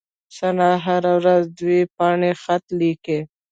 ثنا هره ورځ دوې پاڼي خط ليکي.